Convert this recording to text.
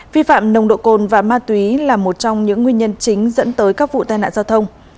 vi phạm nồng độ cồn và ma túy là một trong những nguyên nhân chính dẫn tới các vụ tai nạn giao thông